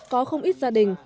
có không ít gia đình